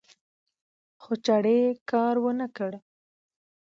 خو چړې کار ونکړ